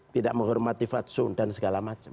tidak menghormati fatsun dan segala macam